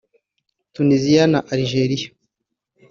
Tunisia na Algeriya